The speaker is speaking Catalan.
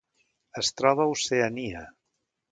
Es troba a Oceania.